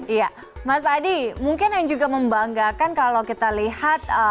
iya mas adi mungkin yang juga membanggakan kalau kita lihat